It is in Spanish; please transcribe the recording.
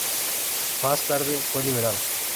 Más tarde fue liberado.